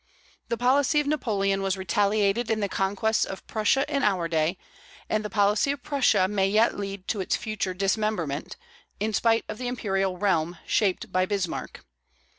The policy of Napoleon was retaliated in the conquests of Prussia in our day; and the policy of Prussia may yet lead to its future dismemberment, in spite of the imperial realm shaped by Bismarck.